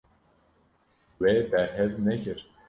Wê berhev nekir.